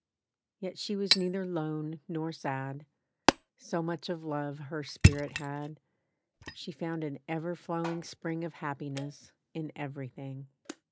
Yet she was neither lone nor sad; So much of love her spirit had, She found an ever flowing spring Of happiness in everything.